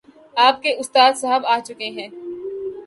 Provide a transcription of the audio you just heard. آپ کے استاد صاحب آ چکے ہیں